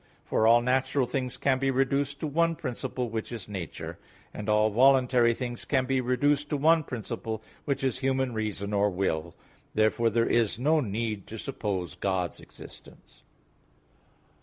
For all natural things can be reduced to one principle which is nature; and all voluntary things can be reduced to one principle which is human reason, or will. Therefore there is no need to suppose God's existence.